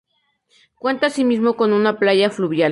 Cuenta asimismo con una playa fluvial.